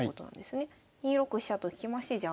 ２六飛車と引きましてじゃあ